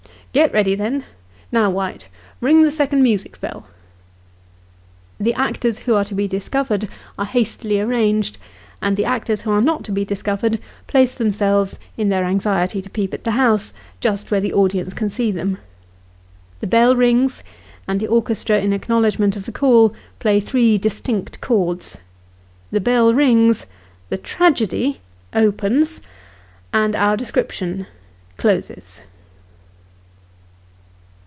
" Get ready, then ; now, White, ring the second music bell." The actors who are to be discovered, are hastily arranged, and the actors who are not to be discovered place themselves, in their anxiety to peep at the house, just where the audience can see them. The bell rings, and the orchestra, in acknow ledgement of the call, play three distinct chords. The bell rings the tragedy (!) opens and our description closes.